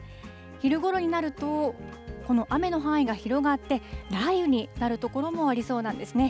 昼ごろになると、この雨の範囲が広がって、雷雨になる所もありそうなんですね。